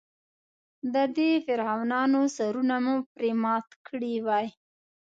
د دې فرعونانو سرونه مو پرې مات کړي وای.